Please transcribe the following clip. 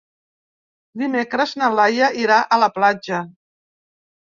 Dimecres na Laia irà a la platja.